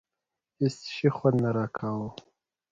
هېڅ شي خوند نه راکاوه.